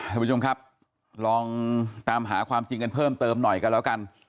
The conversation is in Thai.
ท่านผู้ชมครับลองตามหาความจริงกันเพิ่มเติมหน่อยกันแล้วกัน